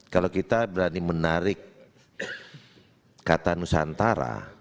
kalau kita berani menarik kata nusantara